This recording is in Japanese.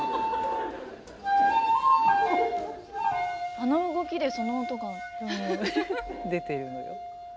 あの動きでその音が。出てるのよ。